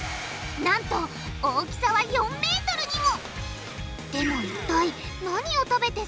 なんと大きさは４ｍにも！